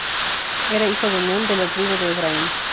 Era hijo de Nun, de la tribu de Efraín.